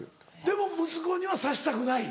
でも息子にはさせたくない？